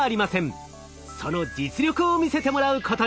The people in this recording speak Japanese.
その実力を見せてもらうことに。